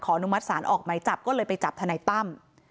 อนุมัติศาลออกไหมจับก็เลยไปจับทนายตั้ม